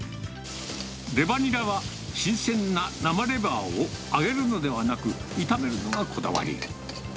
レバニラは、新鮮な生レバーを、揚げるのではなく、炒めるのがこだわり。